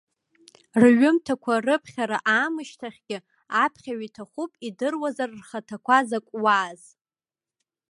Рҩымҭақәа рыԥхьара аамышьҭахьгьы, аԥхьаҩ иҭахуп идыруазар рхаҭақәа закә уааз.